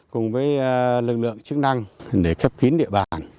cùng với lực lượng chức năng để khép kín địa bàn